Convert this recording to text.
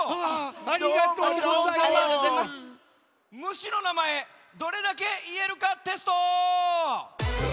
「虫のなまえどれだけ言えるかテスト」！